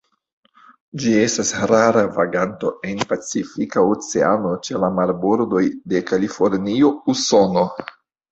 Ĝi estas rara vaganto en Pacifika Oceano ĉe la marbordoj de Kalifornio, Usono.